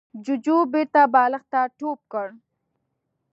جوجو بېرته بالښت ته ټوپ کړ.